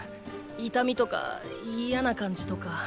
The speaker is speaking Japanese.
痛みとか嫌な感じとか。